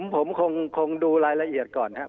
ผมคงดูรายละเอียดก่อนครับ